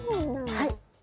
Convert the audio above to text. はい。